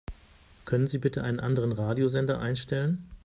Können Sie bitte einen anderen Radiosender einstellen?